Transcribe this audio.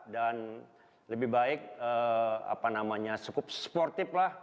dan lebih baik apa namanya cukup sportif lah